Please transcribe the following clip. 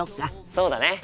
そうだね。